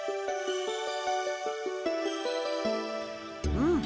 うん。